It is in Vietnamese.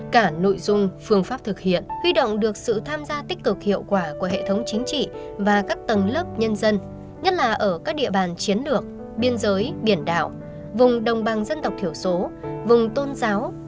cả nội dung phương pháp thực hiện huy động được sự tham gia tích cực hiệu quả của hệ thống chính trị và các tầng lớp nhân dân nhất là ở các địa bàn chiến lược biên giới biển đảo vùng đồng bằng dân tộc thiểu số vùng tôn giáo